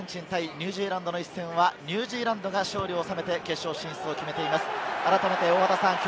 ニュージーランドの一戦はニュージーランドが勝利を収めて、決勝進出を決めています。